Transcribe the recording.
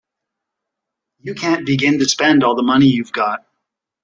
You can't begin to spend all the money you've got.